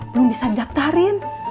belum bisa didaftarin